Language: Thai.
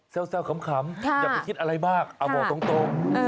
แซวขำอย่าไปคิดอะไรมากเอาบอกตรง